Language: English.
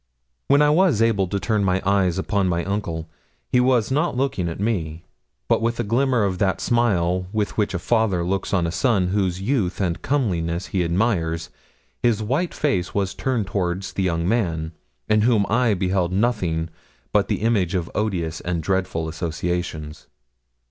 When I was able to turn my eyes upon my uncle he was not looking at me; but with a glimmer of that smile with which a father looks on a son whose youth and comeliness he admires, his white face was turned towards the young man, in whom I beheld nothing but the image of odious and dreadful associations.